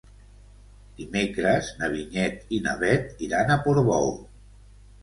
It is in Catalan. Dimecres na Vinyet i na Bet iran a Portbou.